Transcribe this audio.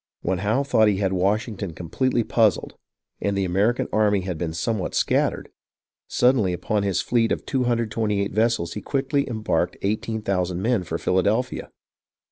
When Howe thought he had Washington completely puzzled, and the American army had been somewhat scattered, suddenly upon his fleet of 228 vessels he quickly embarked eighteen thousand men for Phila delphia.